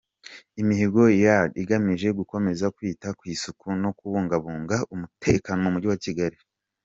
Imihigo yard igamije gukomeza kwita ku isuku no kubungabunga umutekano mu Mujyi wa Kigali.